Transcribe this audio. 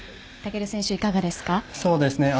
尊選手、いかがですか？